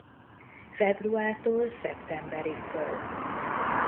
Februártól szeptemberig költ.